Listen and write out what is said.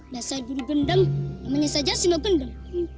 dasar guru gendam namanya saja simo gendam